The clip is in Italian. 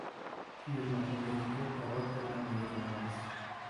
Firma con l'etichetta Rotterdam Airlines.